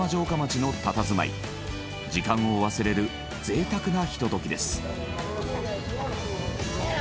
時間を忘れる贅沢なひとときです。